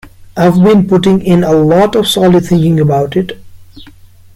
I've been putting in a lot of solid thinking about it.